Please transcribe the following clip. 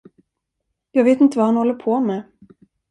Jag vet inte vad han håller på med.